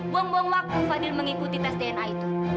buang buang waktu fadil mengikuti tes dna itu